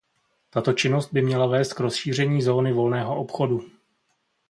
Tato činnost by měla vést k rozšíření zóny volného obchodu.